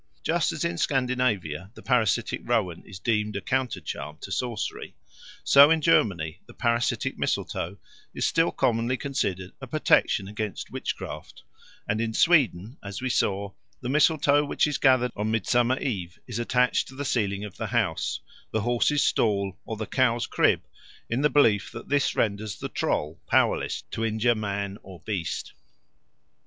Just as in Scandinavia the parasitic rowan is deemed a countercharm to sorcery, so in Germany the parasitic mistletoe is still commonly considered a protection against witch craft, and in Sweden, as we saw, the mistletoe which is gathered on Midsummer Eve is attached to the ceiling of the house, the horse's stall or the cow's crib, in the belief that this renders the Troll powerless to injure man or beast.